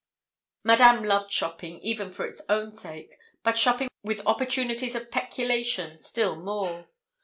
Madame loved shopping, even for its own sake, but shopping with opportunities of peculation still more.